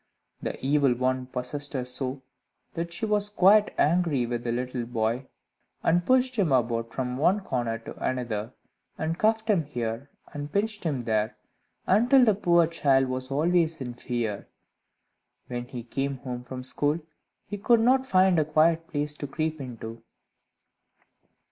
The Evil One possessed her so, that she was quite angry with the little boy, and pushed him about from one corner to another, and cuffed him here and pinched him there, until the poor child was always in fear. When he came home from school, he could not find a quiet place to creep into.